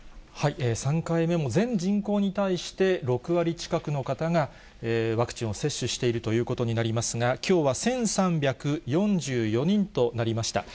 ３回目も全人口に対して６割近くの方がワクチンを接種しているということになりますが、きょうは１３４４人となりました。